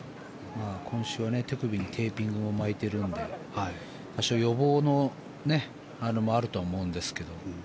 今週は手首にテーピングを巻いてるので多少予防もあると思いますが。